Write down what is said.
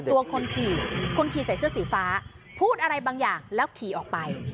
คนขี่คนขี่ใส่เสื้อสีฟ้าพูดอะไรบางอย่างแล้วขี่ออกไป